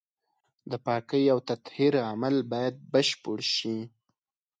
د پاکۍ او تطهير عمل بايد بشپړ شي.